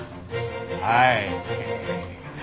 はい。